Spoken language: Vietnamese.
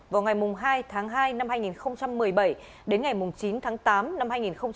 vào ngày hai tháng hai năm hai nghìn một mươi bảy đến ngày chín tháng tám năm hai nghìn một mươi chín